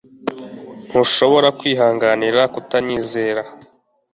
Ntushobora kwihanganira kutanyizera